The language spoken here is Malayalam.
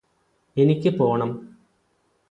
എനിക്ക് പോണം